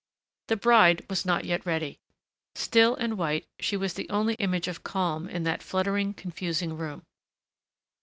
The bride was not yet ready. Still and white, she was the only image of calm in that fluttering, confusing room.